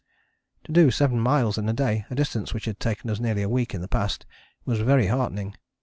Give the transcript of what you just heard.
To do seven miles in a day, a distance which had taken us nearly a week in the past, was very heartening.